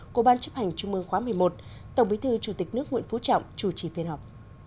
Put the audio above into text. của ban chấp hành trung mương khóa một mươi một tổng bí thư chủ tịch nước nguyễn phú trọng chủ trì phiên họp